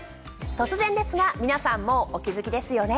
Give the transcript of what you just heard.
突然ですが皆さんもうお気付きですよね。